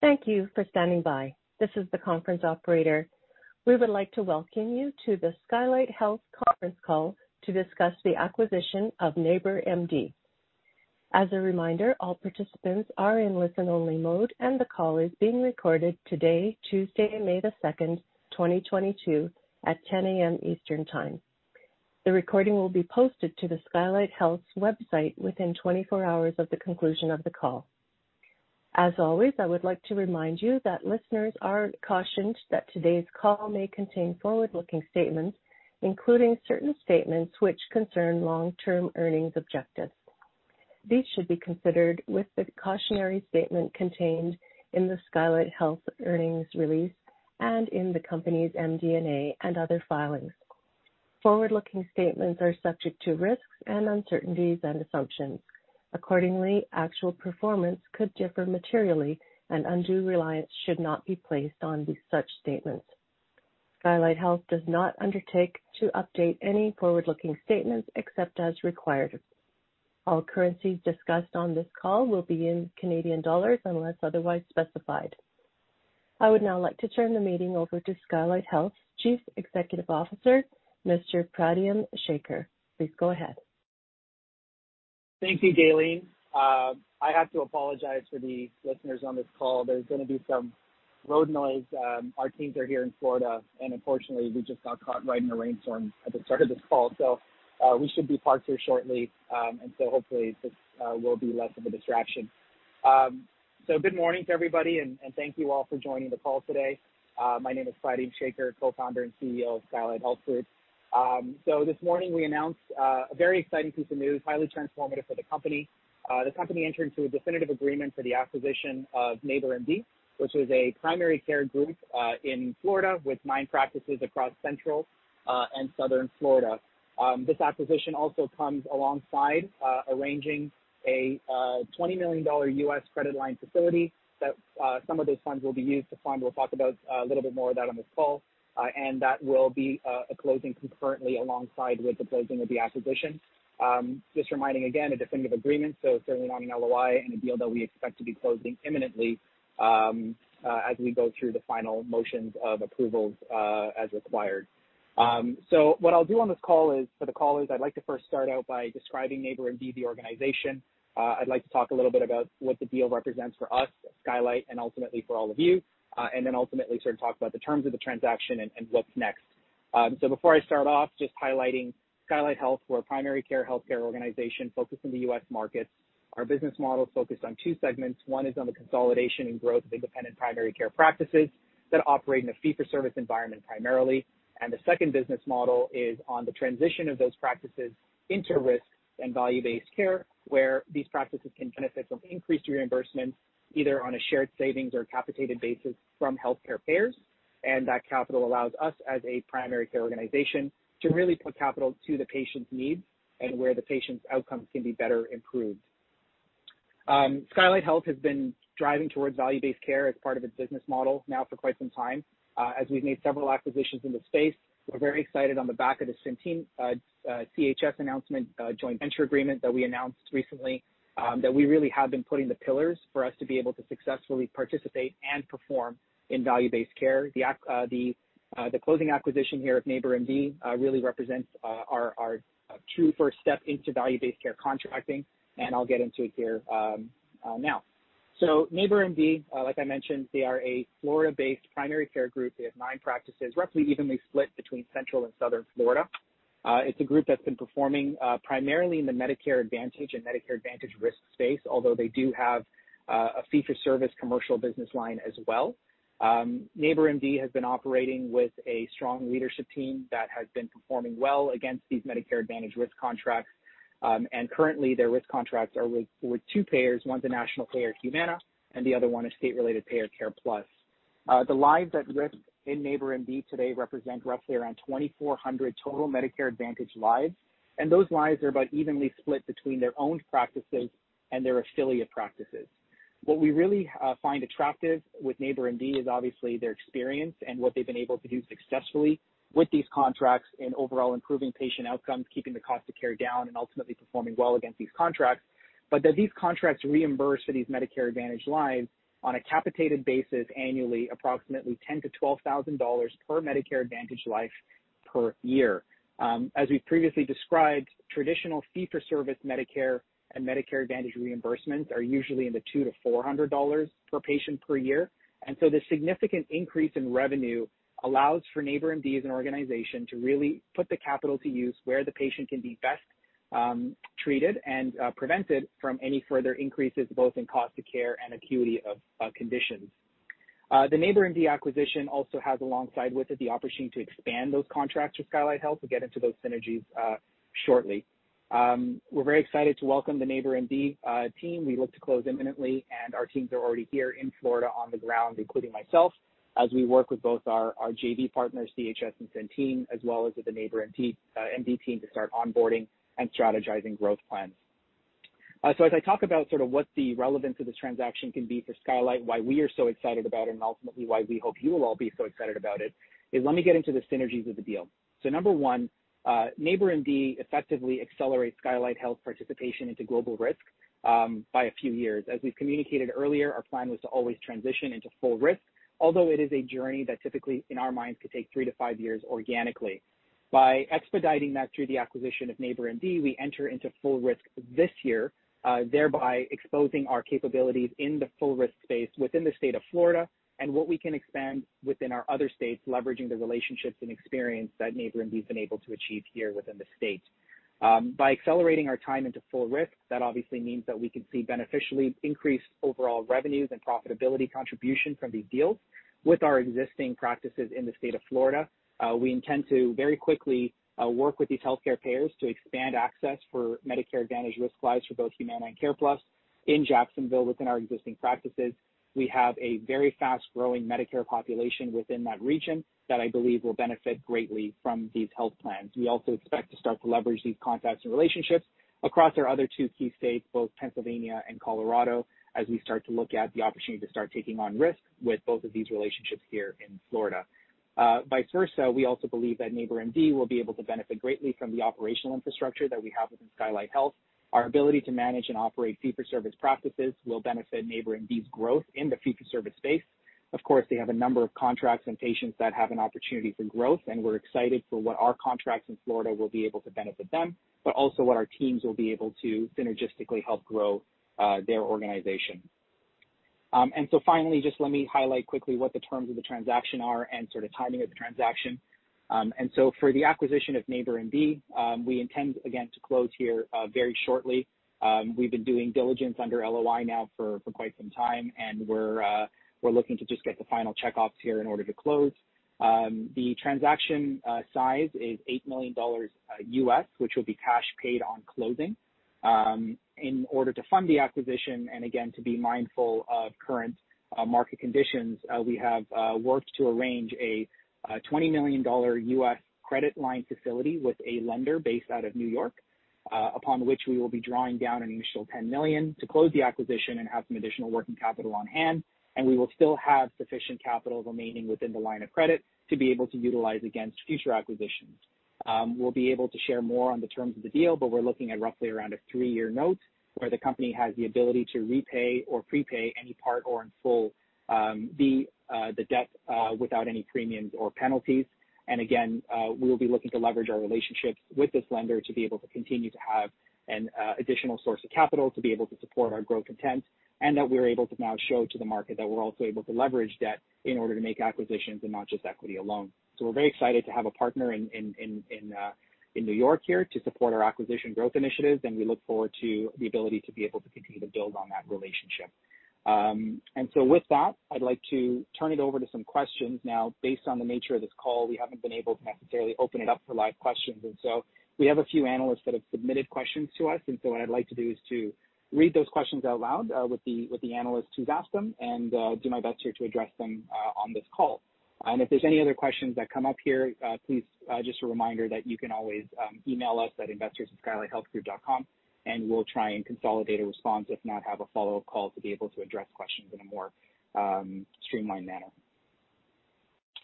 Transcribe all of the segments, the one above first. Thank you for standing by. This is the conference operator. We would like to welcome you to the Skylight Health conference call to discuss the acquisition of NeighborMD. As a reminder, all participants are in listen-only mode, and the call is being recorded today, Tuesday, May 2nd, 2022, at 10 A.M. Eastern Time. The recording will be posted to the Skylight Health's website within 24 hours of the conclusion of the call. As always, I would like to remind you that listeners are cautioned that today's call may contain forward-looking statements, including certain statements which concern long-term earnings objectives. These should be considered with the cautionary statement contained in the Skylight Health earnings release and in the company's MD&A and other filings. Forward-looking statements are subject to risks and uncertainties and assumptions. Accordingly, actual performance could differ materially, and undue reliance should not be placed on such statements. Skylight Health does not undertake to update any forward-looking statements except as required. All currencies discussed on this call will be in Canadian dollars unless otherwise specified. I would now like to turn the meeting over to Skylight Health's Chief Executive Officer, Mr. Pradyum Sekar. Please go ahead. Thank you, Daylene. I have to apologize for the listeners on this call. There's gonna be some road noise. Our teams are here in Florida, and unfortunately, we just got caught right in a rainstorm at the start of this call. We should be parked here shortly. Hopefully this will be less of a distraction. Good morning to everybody, and thank you all for joining the call today. My name is Pradyum Sekar, Co-founder and CEO of Skylight Health Group. This morning we announced a very exciting piece of news, highly transformative for the company. The company entered into a definitive agreement for the acquisition of NeighborMD, which is a primary care group in Florida with nine practices across Central and Southern Florida. This acquisition also comes alongside arranging a $20 million U.S. credit line facility that some of those funds will be used to fund. We'll talk about a little bit more of that on this call, and that will be closing concurrently alongside with the closing of the acquisition. Just reminding again a definitive agreement, so certainly not an LOI and a deal that we expect to be closing imminently, as we go through the final motions of approvals, as required. What I'll do on this call is for the callers, I'd like to first start out by describing NeighborMD, the organization. I'd like to talk a little bit about what the deal represents for us at Skylight and ultimately for all of you, and then ultimately sort of talk about the terms of the transaction and what's next. Before I start off, just highlighting Skylight Health, we're a primary care healthcare organization focused in the U.S. markets. Our business model is focused on two segments. One is on the consolidation and growth of independent primary care practices that operate in a fee-for-service environment primarily. The second business model is on the transition of those practices into risk and value-based care, where these practices can benefit from increased reimbursements either on a shared savings or capitated basis from healthcare payers. That capital allows us, as a primary care organization, to really put capital to the patient's needs and where the patient's outcomes can be better improved. Skylight Health has been driving towards value-based care as part of its business model now for quite some time. As we've made several acquisitions in the space, we're very excited on the back of the Centene, CHS announcement, joint venture agreement that we announced recently, that we really have been putting the pillars for us to be able to successfully participate and perform in value-based care. The closing acquisition here of NeighborMD really represents our true first step into value-based care contracting, and I'll get into it here, now. NeighborMD, like I mentioned, they are a Florida-based primary care group. They have nine practices, roughly evenly split between Central and Southern Florida. It's a group that's been performing primarily in the Medicare Advantage and Medicare Advantage risk space, although they do have a fee-for-service commercial business line as well. NeighborMD has been operating with a strong leadership team that has been performing well against these Medicare Advantage risk contracts. Currently, their risk contracts are with two payers. One's a national payer, Humana, and the other one is state-related payer, CarePlus. The lives at risk in NeighborMD today represent roughly around 2,400 total Medicare Advantage lives, and those lives are about evenly split between their own practices and their affiliate practices. What we really find attractive with NeighborMD is obviously their experience and what they've been able to do successfully with these contracts in overall improving patient outcomes, keeping the cost of care down, and ultimately performing well against these contracts. That these contracts reimburse for these Medicare Advantage lives on a capitated basis annually, approximately $10,000-$12,000 per Medicare Advantage life per year. As we've previously described, traditional fee-for-service Medicare and Medicare Advantage reimbursements are usually in the $200-$400 per patient per year. The significant increase in revenue allows for NeighborMD as an organization to really put the capital to use where the patient can be best treated and prevented from any further increases, both in cost of care and acuity of conditions. The NeighborMD acquisition also has alongside with it the opportunity to expand those contracts with Skylight Health. We'll get into those synergies shortly. We're very excited to welcome the NeighborMD team. We look to close imminently, and our teams are already here in Florida on the ground, including myself, as we work with both our JV partners, CHS and Centene, as well as with the NeighborMD team to start onboarding and strategizing growth plans. As I talk about sort of what the relevance of this transaction can be for Skylight, why we are so excited about it, and ultimately why we hope you will all be so excited about it, is let me get into the synergies of the deal. Number one. NeighborMD effectively accelerates Skylight Health participation into global risk by a few years. As we've communicated earlier, our plan was to always transition into full risk, although it is a journey that typically, in our minds, could take three to five years organically. By expediting that through the acquisition of NeighborMD, we enter into full risk this year, thereby exposing our capabilities in the full risk space within the state of Florida and what we can expand within our other states, leveraging the relationships and experience that NeighborMD's been able to achieve here within the state. By accelerating our time into full risk, that obviously means that we could see beneficially increased overall revenues and profitability contribution from these deals. With our existing practices in the state of Florida, we intend to very quickly work with these healthcare payers to expand access for Medicare Advantage risk lives for both Humana and CarePlus in Jacksonville within our existing practices. We have a very fast-growing Medicare population within that region that I believe will benefit greatly from these health plans. We also expect to start to leverage these contacts and relationships across our other two key states, both Pennsylvania and Colorado, as we start to look at the opportunity to start taking on risk with both of these relationships here in Florida. Vice versa, we also believe that NeighborMD will be able to benefit greatly from the operational infrastructure that we have within Skylight Health. Our ability to manage and operate fee-for-service practices will benefit NeighborMD's growth in the fee-for-service space. Of course, they have a number of contracts and patients that have an opportunity for growth, and we're excited for what our contracts in Florida will be able to benefit them, but also what our teams will be able to synergistically help grow, their organization. Finally, just let me highlight quickly what the terms of the transaction are and sort of timing of the transaction. For the acquisition of NeighborMD, we intend, again, to close here very shortly. We've been doing diligence under LOI now for quite some time, and we're looking to just get the final checkoffs here in order to close. The transaction size is $8 million, which will be cash paid on closing. In order to fund the acquisition, and again, to be mindful of current market conditions, we have worked to arrange a $20 million U.S. credit line facility with a lender based out of New York, upon which we will be drawing down an initial $10 million to close the acquisition and have some additional working capital on hand, and we will still have sufficient capital remaining within the line of credit to be able to utilize against future acquisitions. We'll be able to share more on the terms of the deal, but we're looking at roughly around a three-year note where the company has the ability to repay or prepay any part or in full the debt without any premiums or penalties. Again, we'll be looking to leverage our relationships with this lender to be able to continue to have an additional source of capital to be able to support our growth intent and that we're able to now show to the market that we're also able to leverage debt in order to make acquisitions and not just equity alone. We're very excited to have a partner in New York here to support our acquisition growth initiatives, and we look forward to the ability to be able to continue to build on that relationship. With that, I'd like to turn it over to some questions. Now, based on the nature of this call, we haven't been able to necessarily open it up for live questions. We have a few analysts that have submitted questions to us. What I'd like to do is to read those questions out loud, with the analyst who's asked them and do my best here to address them on this call. If there's any other questions that come up here, please, just a reminder that you can always email us at investors@skylighthealthgroup.com, and we'll try and consolidate a response, if not have a follow-up call to be able to address questions in a more streamlined manner.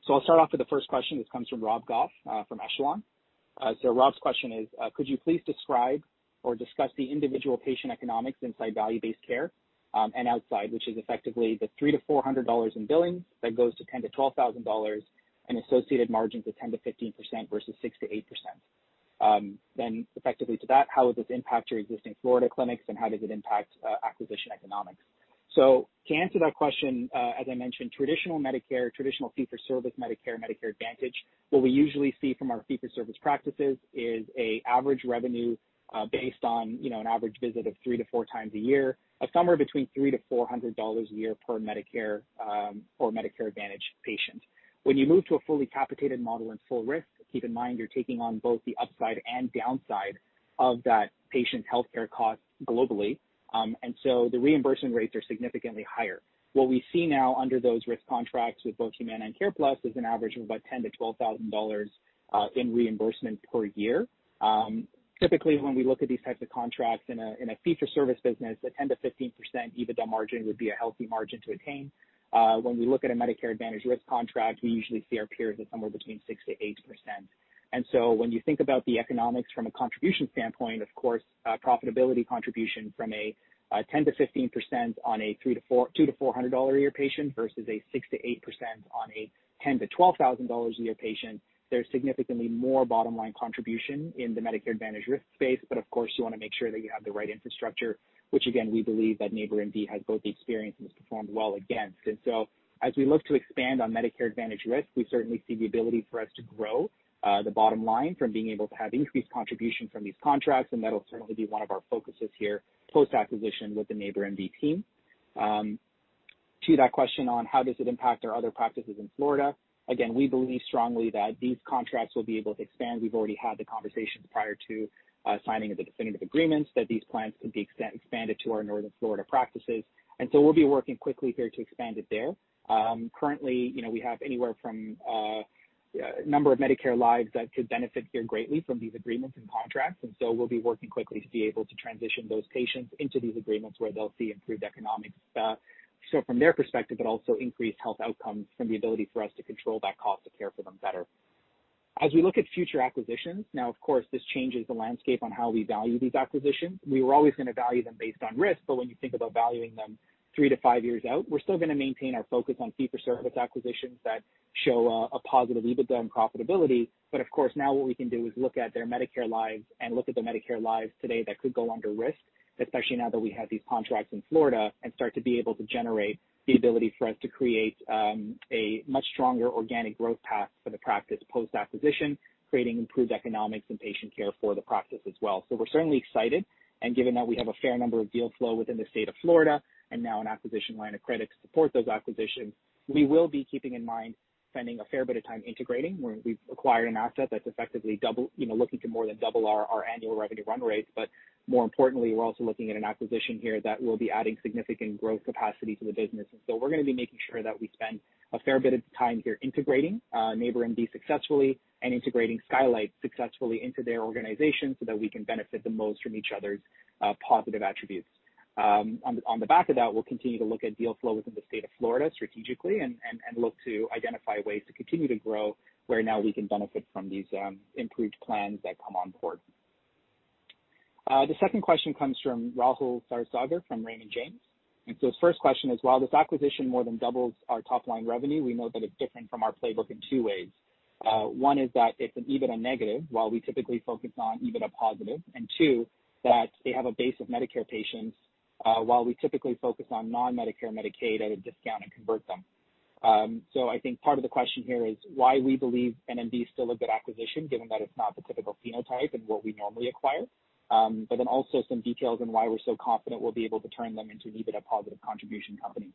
I'll start off with the first question. This comes from Rob Goff from Echelon. Rob's question is, could you please describe or discuss the individual patient economics inside value-based care, and outside, which is effectively the $300-$400 in billing that goes to $10,000-$12,000 and associated margins of 10%-15% versus 6%-8%? Then effectively to that, how would this impact your existing Florida clinics, and how does it impact acquisition economics? To answer that question, as I mentioned, traditional Medicare, traditional fee-for-service Medicare Advantage, what we usually see from our fee-for-service practices is an average revenue, based on, you know, an average visit of three to four times a year, somewhere between $300-$400 a year per Medicare or Medicare Advantage patient. When you move to a fully capitated model and full risk, keep in mind you're taking on both the upside and downside of that patient's healthcare cost globally. The reimbursement rates are significantly higher. What we see now under those risk contracts with both Humana and CarePlus is an average of about $10,000-$12,000 in reimbursement per year. Typically, when we look at these types of contracts in a fee-for-service business, a 10%-15% EBITDA margin would be a healthy margin to attain. When we look at a Medicare Advantage risk contract, we usually see our peers at somewhere between 6%-8%. When you think about the economics from a contribution standpoint, of course, profitability contribution from a 10%-15% on a $200-$400 a year patient versus a 6%-8% on a $10,000-$12,000 a year patient, there's significantly more bottom line contribution in the Medicare Advantage risk space. Of course, you wanna make sure that you have the right infrastructure, which again, we believe that NeighborMD has both the experience and has performed well against. As we look to expand on Medicare Advantage risk, we certainly see the ability for us to grow the bottom line from being able to have increased contribution from these contracts, and that'll certainly be one of our focuses here post-acquisition with the NeighborMD team. To that question on how does it impact our other practices in Florida, again, we believe strongly that these contracts will be able to expand. We've already had the conversations prior to signing of the definitive agreements that these plans could be expanded to our Northern Florida practices. We'll be working quickly here to expand it there. Currently, you know, we have anywhere from a number of Medicare lives that could benefit here greatly from these agreements and contracts, and so we'll be working quickly to be able to transition those patients into these agreements where they'll see improved economics, so from their perspective, but also increase health outcomes from the ability for us to control that cost of care for them better. As we look at future acquisitions, now, of course, this changes the landscape on how we value these acquisitions. We were always gonna value them based on risk, but when you think about valuing them three to five years out, we're still gonna maintain our focus on fee-for-service acquisitions that show a positive EBITDA and profitability. Of course, now what we can do is look at their Medicare lives today that could go under risk, especially now that we have these contracts in Florida, and start to be able to generate the ability for us to create a much stronger organic growth path for the practice post-acquisition, creating improved economics and patient care for the practice as well. We're certainly excited, and given that we have a fair number of deal flow within the state of Florida and now an acquisition line of credit to support those acquisitions, we will be keeping in mind spending a fair bit of time integrating when we've acquired an asset that's effectively double, you know, looking to more than double our annual revenue run rates. More importantly, we're also looking at an acquisition here that will be adding significant growth capacity to the business. We're gonna be making sure that we spend a fair bit of time here integrating NeighborMD successfully and integrating Skylight successfully into their organization so that we can benefit the most from each other's positive attributes. On the back of that, we'll continue to look at deal flow within the state of Florida strategically and look to identify ways to continue to grow where now we can benefit from these improved plans that come on board. The second question comes from Rahul Sarugaser from Raymond James. His first question is, while this acquisition more than doubles our top-line revenue, we know that it's different from our playbook in two ways. One is that it's an EBITDA negative while we typically focus on EBITDA positive. Two, that they have a base of Medicare patients, while we typically focus on non-Medicare, Medicaid at a discount and convert them. I think part of the question here is why we believe NMD is still a good acquisition given that it's not the typical footprint and what we normally acquire. Also some details on why we're so confident we'll be able to turn them into an EBITDA positive contribution company.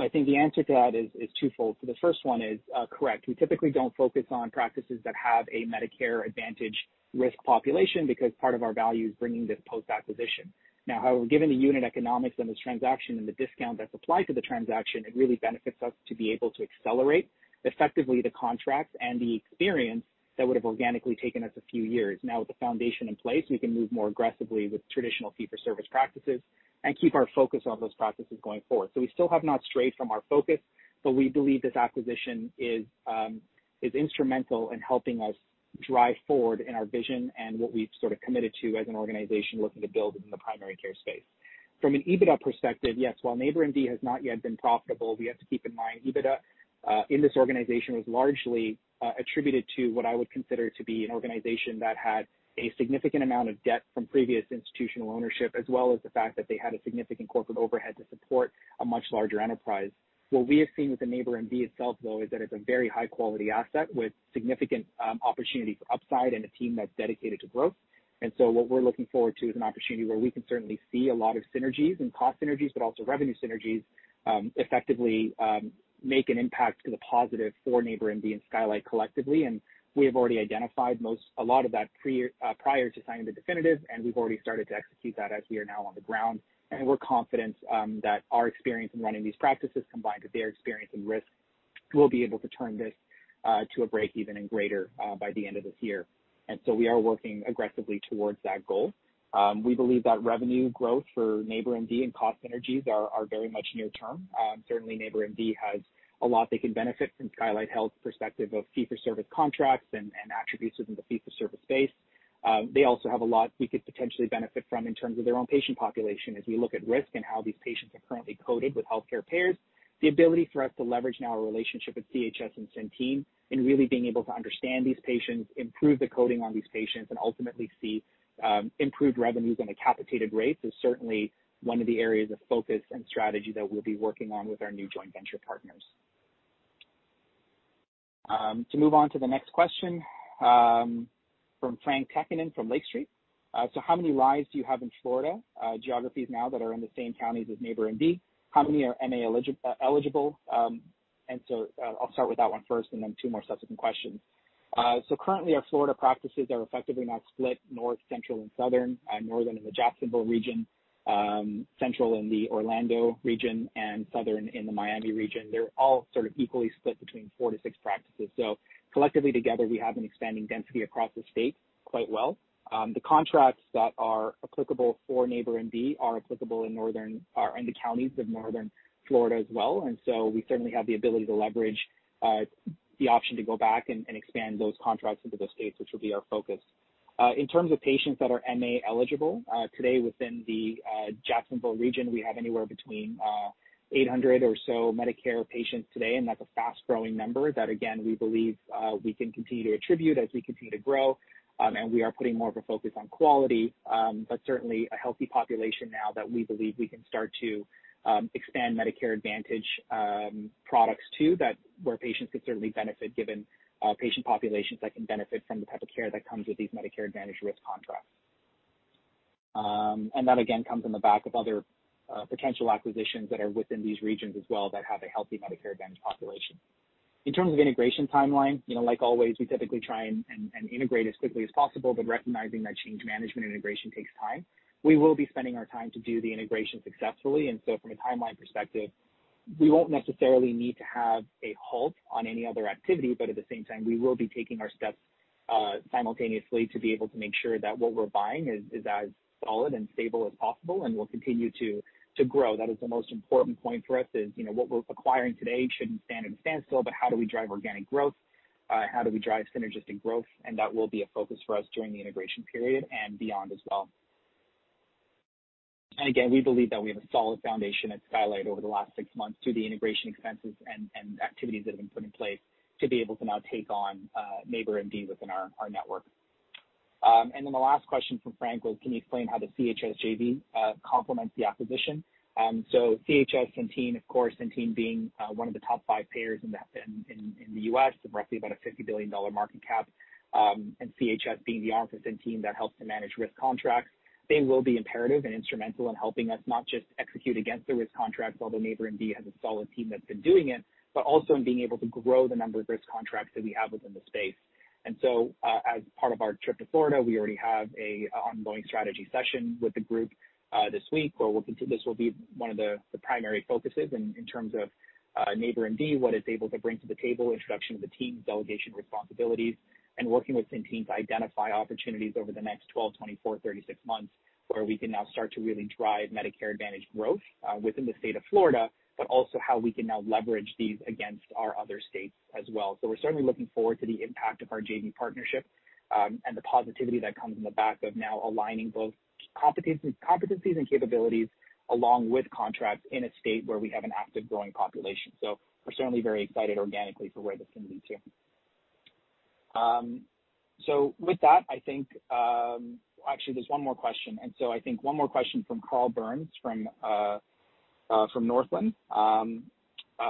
I think the answer to that is twofold. The first one is correct. We typically don't focus on practices that have a Medicare Advantage risk population because part of our value is bringing this post-acquisition. Now, however, given the unit economics of this transaction and the discount that's applied to the transaction, it really benefits us to be able to accelerate effectively the contracts and the experience that would have organically taken us a few years. Now, with the foundation in place, we can move more aggressively with traditional fee-for-service practices and keep our focus on those practices going forward. We still have not strayed from our focus, but we believe this acquisition is instrumental in helping us drive forward in our vision and what we've sort of committed to as an organization looking to build in the primary care space. From an EBITDA perspective, yes, while NeighborMD has not yet been profitable, we have to keep in mind EBITDA in this organization was largely attributed to what I would consider to be an organization that had a significant amount of debt from previous institutional ownership, as well as the fact that they had a significant corporate overhead to support a much larger enterprise. What we have seen with the NeighborMD itself, though, is that it's a very high-quality asset with significant opportunity for upside and a team that's dedicated to growth. What we're looking forward to is an opportunity where we can certainly see a lot of synergies and cost synergies, but also revenue synergies, effectively make an impact to the positive for NeighborMD and Skylight collectively. We have already identified a lot of that prior to signing the definitive, and we've already started to execute that as we are now on the ground. We're confident that our experience in running these practices, combined with their experience in risk, we'll be able to turn this to a break-even and greater by the end of this year. We are working aggressively towards that goal. We believe that revenue growth for NeighborMD and cost synergies are very much near term. Certainly NeighborMD has a lot they can benefit from Skylight Health's perspective of fee-for-service contracts and attributes within the fee-for-service space. They also have a lot we could potentially benefit from in terms of their own patient population. As we look at risk and how these patients are currently coded with healthcare payers, the ability for us to leverage now our relationship with CHS and Centene, and really being able to understand these patients, improve the coding on these patients, and ultimately see improved revenues on a capitated rate is certainly one of the areas of focus and strategy that we'll be working on with our new joint venture partners. To move on to the next question, from Frank Takkinen from Lake Street. How many lives do you have in Florida geographies now that are in the same counties as NeighborMD? How many are MA eligible? I'll start with that one first and then three more subsequent questions. Currently our Florida practices are effectively now split north, central, and southern. Northern in the Jacksonville region, central in the Orlando region, and southern in the Miami region. They're all sort of equally split between four to six practices. Collectively together, we have an expanding density across the state quite well. The contracts that are applicable for NeighborMD are applicable in the counties of Northern Florida as well. We certainly have the ability to leverage the option to go back and expand those contracts into those states, which will be our focus. In terms of patients that are MA eligible, today within the Jacksonville region, we have anywhere between 800 or so Medicare patients today, and that's a fast-growing number that again, we believe, we can continue to attribute as we continue to grow. We are putting more of a focus on quality, but certainly a healthy population now that we believe we can start to expand Medicare Advantage products too, that where patients could certainly benefit given patient populations that can benefit from the type of care that comes with these Medicare Advantage risk contracts. That again comes on the back of other potential acquisitions that are within these regions as well that have a healthy Medicare Advantage population. In terms of integration timeline, you know, like always, we typically try and integrate as quickly as possible. Recognizing that change management integration takes time, we will be spending our time to do the integration successfully. From a timeline perspective, we won't necessarily need to have a halt on any other activity, but at the same time, we will be taking our steps, simultaneously to be able to make sure that what we're buying is as solid and stable as possible and will continue to grow. That is the most important point for us, you know, what we're acquiring today shouldn't stand still, but how do we drive organic growth? How do we drive synergistic growth? That will be a focus for us during the integration period and beyond as well. Again, we believe that we have a solid foundation at Skylight over the last six months through the integration expenses and activities that have been put in place to be able to now take on NeighborMD within our network. Then the last question from Frank was, can you explain how the CHS JV complements the acquisition? CHS Centene, of course, Centene being one of the top five payers in the U.S., roughly about a $50 billion market cap, and CHS being the office in Centene that helps to manage risk contracts, they will be imperative and instrumental in helping us not just execute against the risk contracts, although NeighborMD has a solid team that's been doing it, but also in being able to grow the number of risk contracts that we have within the space. As part of our trip to Florida, we already have an ongoing strategy session with the group this week. This will be one of the primary focuses in terms of NeighborMD, what it's able to bring to the table, introduction to the team, delegation responsibilities, and working with Centene to identify opportunities over the next 12, 24, 36 months, where we can now start to really drive Medicare Advantage growth within the state of Florida, but also how we can now leverage these against our other states as well. We're certainly looking forward to the impact of our JV partnership, and the positivity that comes on the back of now aligning both competencies and capabilities along with contracts in a state where we have an active growing population. We're certainly very excited organically for where this can lead to. With that, I think. Actually, there's one more question. I think one more question from Carl Byrnes from Northland.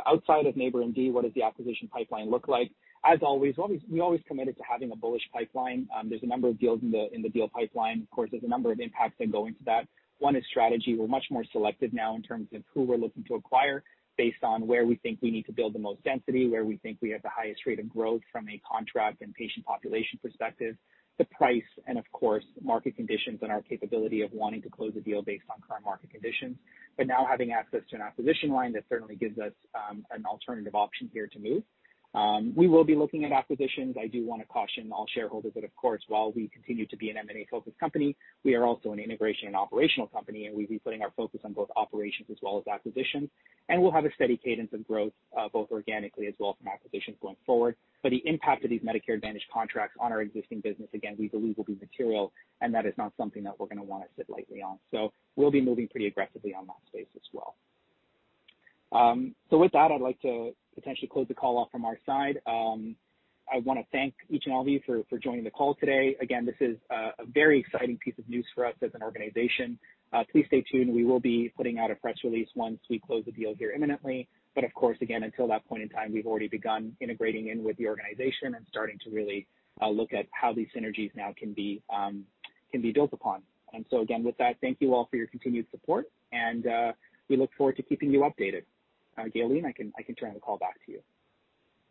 Outside of NeighborMD, what does the acquisition pipeline look like? As always, we committed to having a bullish pipeline. There's a number of deals in the deal pipeline. Of course, there's a number of impacts that go into that. One is strategy. We're much more selective now in terms of who we're looking to acquire based on where we think we need to build the most density, where we think we have the highest rate of growth from a contract and patient population perspective, the price, and of course, market conditions and our capability of wanting to close a deal based on current market conditions. Now having access to an acquisition line, that certainly gives us an alternative option here to move. We will be looking at acquisitions. I do wanna caution all shareholders that, of course, while we continue to be an M&A-focused company, we are also an integration and operational company, and we'll be putting our focus on both operations as well as acquisitions. We'll have a steady cadence of growth both organically as well as from acquisitions going forward. The impact of these Medicare Advantage contracts on our existing business, again, we believe will be material, and that is not something that we're gonna wanna sit lightly on. We'll be moving pretty aggressively on that space as well. With that, I'd like to potentially close the call off from our side. I wanna thank each and all of you for joining the call today. Again, this is a very exciting piece of news for us as an organization. Please stay tuned. We will be putting out a press release once we close the deal here imminently. Of course, again, until that point in time, we've already begun integrating in with the organization and starting to really look at how these synergies now can be built upon. Again, with that, thank you all for your continued support, and we look forward to keeping you updated. Daylene, I can turn the call back to you.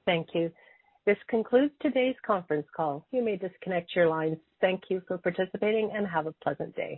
Thank you. This concludes today's conference call. You may disconnect your lines. Thank you for participating, and have a pleasant day.